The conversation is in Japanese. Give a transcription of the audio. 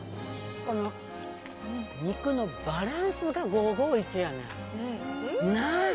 肉のバランスが５５１やねん。